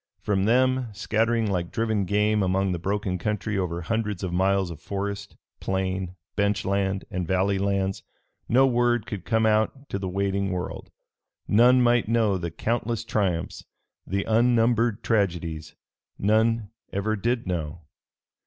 From them, scattering like driven game among the broken country over hundreds of miles of forest, plain, bench land and valley lands, no word could come out to the waiting world. None might know the countless triumphs, the unnumbered tragedies none ever did know.